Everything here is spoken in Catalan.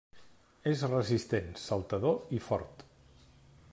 És resistent, saltador i fort.